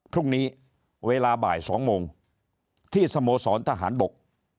พรุ่งนี้เวลาบ่าย๒โมงที่สโมสรทหารบก